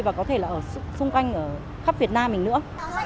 và có thể là ở xung quanh ở khắp việt nam mình nữa